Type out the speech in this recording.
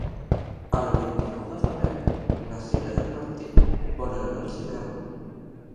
El vint-i-nou de febrer na Sira i en Martí volen anar al cinema.